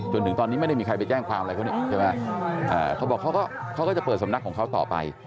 จนถึงตอนนี้ไม่ได้มีใครไปแจ้งความอะไรเขานี่ใช่ไหมเขาบอกเขาก็จะเปิดสำนักของเขาต่อไป